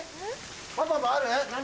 パパもある何？